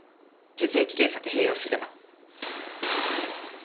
血液検査と併用すれば。